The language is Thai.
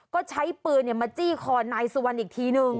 ก็ใช้ปืนมาจี้คอนายสุวรรณอีกทีนึง